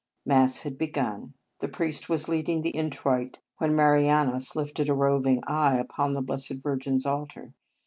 Mass had begun. The priest was reading the Introit, when Mari anus lifted a roving eye upon the Blessed Virgin s altar.